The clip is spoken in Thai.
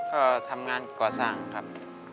ก็ทำงานก่อสร้างครับ